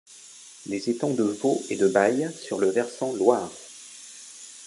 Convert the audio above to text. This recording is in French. Les étangs de Vaux et de Baye sur le versant Loire.